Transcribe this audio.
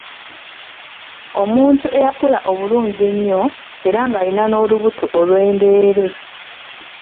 Omuntu eyakula obulungi ennyo era ng'alina n'olubuto olwendeere.